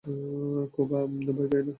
Coda, ভয় পেয়ো না।